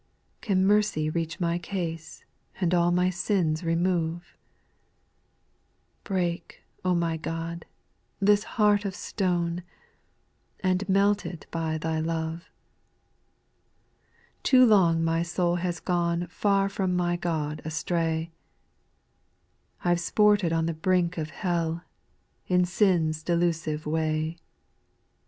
2. Can mercy reach my case, And all my sins remove ? Break, my God, this heart of stone, And melt it by Thy love. 3. Too long my soul has gone Far from my God astray ; I've sported on the brink of hell, In sin's delusive way. 4.